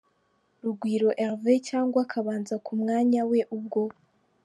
Rugwiro Hervé cyangwa akabanza ku mwanya we ubwo